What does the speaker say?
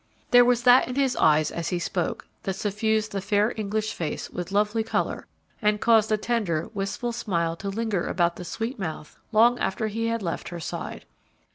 There was that in his eyes as he spoke that suffused the fair English face with lovely color and caused a tender, wistful smile to linger about the sweet mouth long after he had left her side.